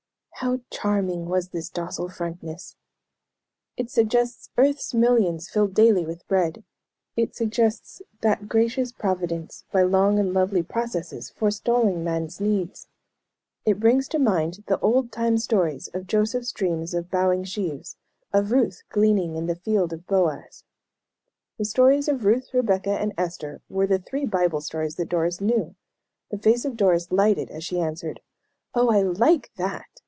How charming was this docile frankness! "It suggests earth's millions filled daily with bread. It suggests that gracious Providence, by long and lovely processes, forestalling man's needs. It brings to mind the old time stories of Joseph's dream of bowing sheaves, of Ruth gleaning in the field of Boaz." The stories of Ruth, Rebecca and Esther were the three Bible stories that Doris knew; the face of Doris lighted as she answered: "Oh, I like that!